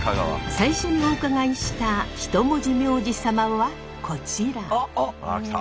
最初にお伺いした一文字名字サマはこちら。